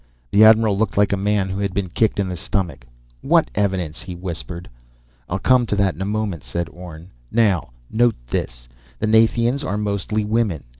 The admiral looked like a man who had been kicked in the stomach. "What ... evidence?" he whispered. "I'll come to that in a moment," said Orne. "Now, note this: the Nathians are mostly women.